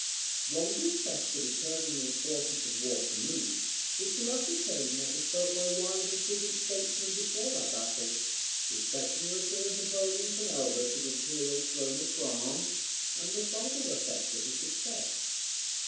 One good test for determining the importance of Waterloo, is to ascertain what was felt by wise and prudent statesmen before that battle, respecting the return of Napoleon from Elba to the Imperial throne of France, and the probable effects of his success.